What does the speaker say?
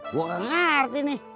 gue gak ngerti nih